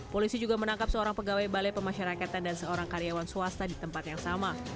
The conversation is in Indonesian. polisi juga menangkap seorang pegawai balai pemasyarakatan dan seorang karyawan swasta di tempat yang sama